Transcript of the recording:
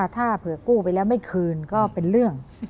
ถ้าเผื่อกู้ไปแล้วไม่คืนก็เป็นเรื่อง